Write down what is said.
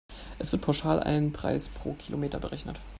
Es wird pauschal ein Preis pro Kilometer berechnet.